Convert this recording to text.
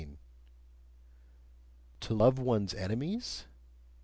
To love one's enemies?